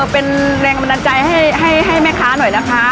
เป็นแรงกำลังใจให้ให้ให้ให้แม่ค้าหน่อยนะคะ